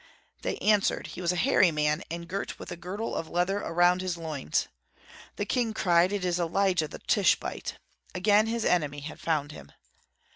They answered, "He was a hairy man, and girt with a girdle of leather around his loins." The king cried, "It is Elijah the Tishbite." Again his enemy had found him!